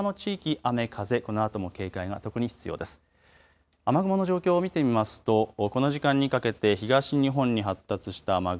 雨雲の状況を見てみますとこの時間にかけて東日本に発達した雨雲。